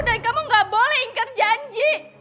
dan kamu gak boleh ingat janji